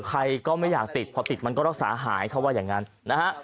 ใครก็ไม่อยากติดพอติดมันก็รักษาหายเขาว่าอย่างนั้นนะฮะ